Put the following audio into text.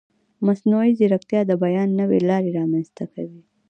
مصنوعي ځیرکتیا د بیان نوې لارې رامنځته کوي.